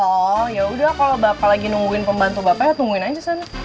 oh ya udah kalau bakal lagi nungguin pembantu bapak tungguin aja sana